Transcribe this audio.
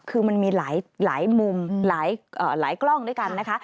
คือมันมีหลายมุมหลายกล้องด้วยกันนะคะ